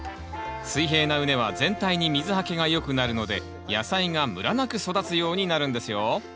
水平な畝は全体に水はけがよくなるので野菜がむらなく育つようになるんですよ